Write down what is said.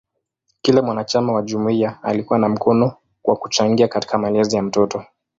Kila mwanachama wa jumuiya alikuwa na mkono kwa kuchangia katika malezi ya mtoto.